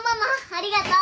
ありがとう。